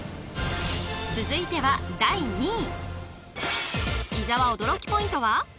続いては第２位伊沢驚きポイントは？